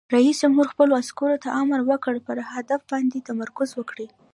رئیس جمهور خپلو عسکرو ته امر وکړ؛ پر هدف باندې تمرکز وکړئ!